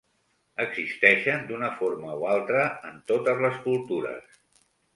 Existeixen d'una forma o altra en totes les cultures.